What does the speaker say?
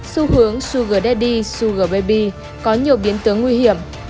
xu hướng suger daddy suger baby có nhiều biến tướng nguy hiểm